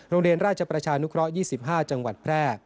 โรงเรียนราชประชานุเคราะห์๒๕จังหวัดแพร่